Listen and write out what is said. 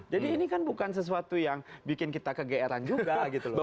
jadi ini kan bukan sesuatu yang bikin kita kegeeran juga gitu loh